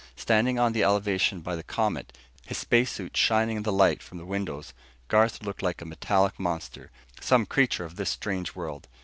Standing on the elevation by the Comet, his space suit shining in the light from the windows, Garth looked like a metallic monster, some creature of this strange world.